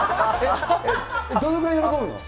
どのぐらい喜ぶの？